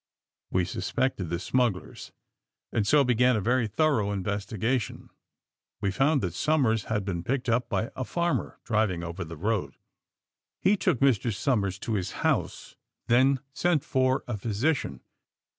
We suspected the smugglers, and so began a very thorough investigation. We found that Somers had been picked up by a farmer driving over the road. He took Mr. Somers to his house, then sent for a physician.